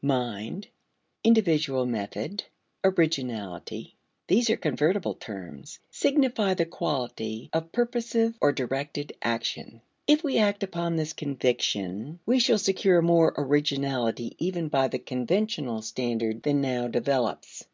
Mind, individual method, originality (these are convertible terms) signify the quality of purposive or directed action. If we act upon this conviction, we shall secure more originality even by the conventional standard than now develops.